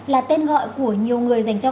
là tên gọi của nhiều người dành cho